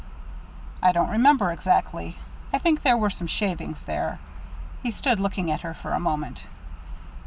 "I don't remember exactly. I think there were some shavings there." He stood looking at her for a moment.